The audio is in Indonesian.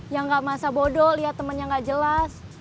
yang gak masa bodo liat temennya gak jelas